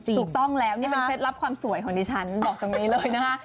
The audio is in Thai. นี่เป็นเพชรรับความสวยของดิฉันบอกตรงนี้เลยนะคะ